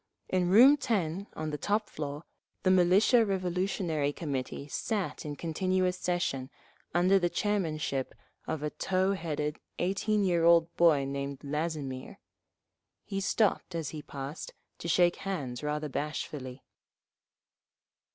In room 10 on the top floor, the Military Revolutionary Committee sat in continuous session, under the chairmanship of a tow headed, eighteen year old boy named Lazimir. He stopped, as he passed, to shake hands rather bashfully.